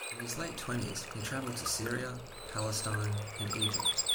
In his late twenties, he travelled to Syria, Palestine and Egypt.